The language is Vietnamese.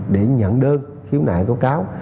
để nhận đơn khiếu nại tố cáo